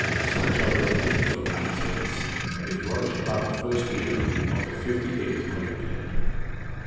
*? Such are the opinions of Anaximenes. And he flourished about the first year of the fifty eighth Olympiad.